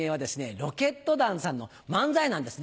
ロケット団さんの漫才なんですね。